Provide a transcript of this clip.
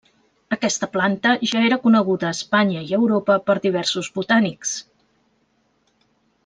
Aquesta planta ja era coneguda a Espanya i Europa per diversos botànics.